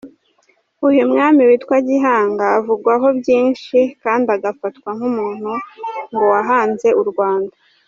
Uyu mwami witwa Gihanga avugwaho byinshi kandi agafatwa nk’umuntu ngo wahanze u Rwanda.